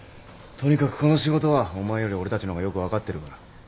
とにかくこの仕事はお前より俺たちの方がよく分かってるから。